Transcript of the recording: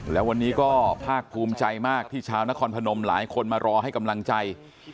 แล้ววันนี้ก็ภาคภูมิใจมากที่ชาวนครพนมหลายคนมารอให้กำลังใจ